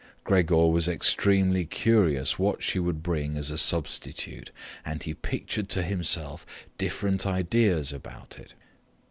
Gregor was extremely curious what she would bring as a substitute, and he pictured to himself different ideas about it.